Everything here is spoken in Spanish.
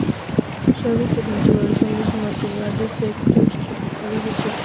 Su hábitat natural son los matorrales secos tropicales o subtropicales.